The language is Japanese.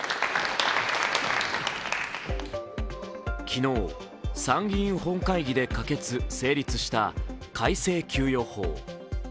昨日、参議院本会議で可決・成立した改正給与法。